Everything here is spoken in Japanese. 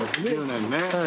１０年ね。